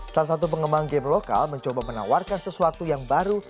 salah satu pengembang game lokal mencoba menawarkan sesuatu yang baru